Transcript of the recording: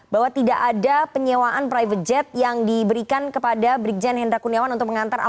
bahwa tidak ada penyewaan private jet yang diberikan kepada brigjen hendra kuniawan